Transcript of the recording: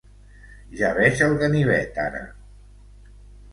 Ja veig el ganivet ara.